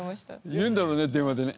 言うんだろうね電話でね。